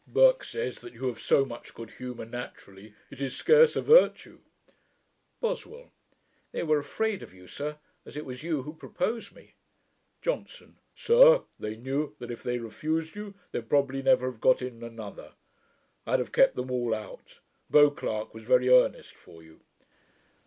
Burke says, that you have so much good humour naturally, it is scarce a virtue.' BOSWELL. 'They were afraid of you, sir, as it was you who proposed me.' JOHNSON. 'Sir, they knew, that if they refused you, they'd probably never have got in another. I'd have kept them all out. Beauclerk was very earnest for you.'